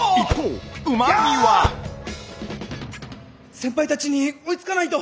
先輩たちに追いつかないと！